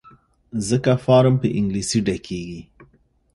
ځکه فارم په انګلیسي ډکیږي.